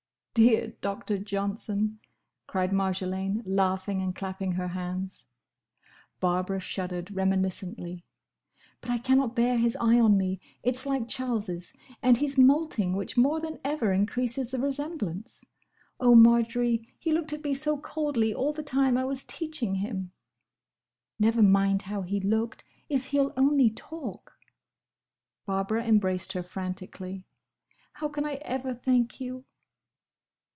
"Dear Doctor Johnson!" cried Marjolaine, laughing, and clapping her hands. Barbara shuddered reminiscently. "But I cannot bear his eye on me! It's like Charles's. And he is moulting—which more than ever increases the resemblance. Oh, Marjory, he looked at me so coldly all the time I was teaching him!" "Never mind how he looked, if he'll only talk!" Barbara embraced her frantically. "How can I ever thank you?"